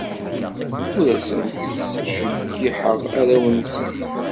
Ur asent-ttjeyyiḥeɣ arraw-nsent.